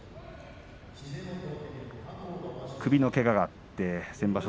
首のけががあって先場所